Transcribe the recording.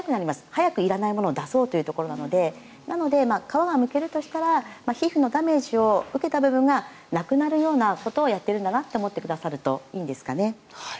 早くいらないものを出そうということなのでなので、皮がむけるとしたら皮膚のダメージを受けた部分がなくなるようなことをやっているんだなと思ってくださるといいんですかね。